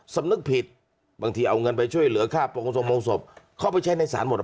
สำนึกผิดบางทีเอาเงินไปช่วยเหลือค่าโปรงทรงโรงศพเข้าไปใช้ในศาลหมด